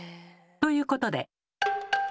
ということで。